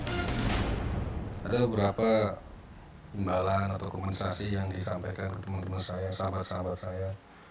ada beberapa imbalan atau komensasi yang disampaikan ke teman teman saya sahabat sahabat saya